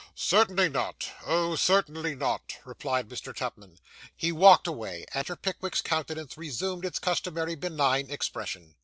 'Certainly not. Oh, certainly not,' replied Mr. Tupman. He walked away; and Mr. Pickwick's countenance resumed its customary benign expression.